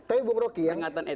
tapi bu broky yang